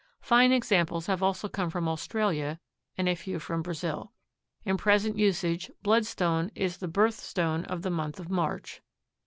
Fine examples have also come from Australia and a few from Brazil. In present usage bloodstone is the "birth stone" of the month of March.